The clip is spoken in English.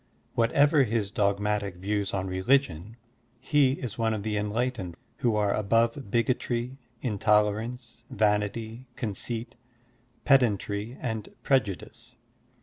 What ever his dogmatic views on religion, he is one of the enlightened who are above bigotry^ intol erance, vanity, conceit, pedantry, and prejudice.